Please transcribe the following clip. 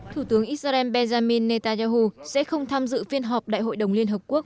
thủ tướng israel benjamin netanyahu sẽ không tham dự phiên họp đại hội đồng liên hợp quốc